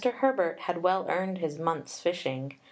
Herbert had well earned his month's fishing.